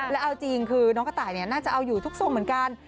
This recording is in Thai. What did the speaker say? แล้วเอาจริงคือน้องกระต่ายน่าจะเอาอยู่ทุกทรงเหมือนกัน